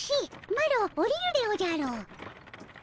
マロおりるでおじゃる。